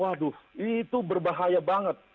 waduh itu berbahaya banget